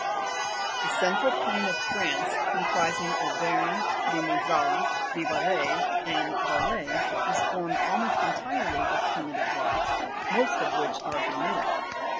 22. The central plane of France, comprising Auvergne, Limou sin, Vivarais, and Valais, is formed almost entirely of primitive rocks, most of which are granitic.